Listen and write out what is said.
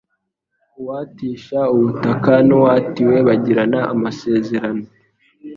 uwatisha ubutaka n uwatiwe bagirana amasezerano